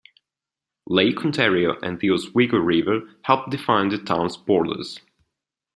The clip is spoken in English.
Lake Ontario and the Oswego River help define the town's borders.